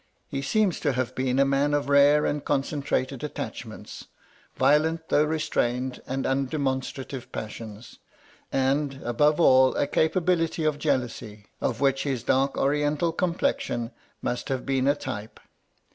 He seems to have been a man of rare and concentrated attachments; violent, though restrained and undemonstrative passions ; and, above all, a capability of jealousy, of which his dark oriental complexion must have been a type.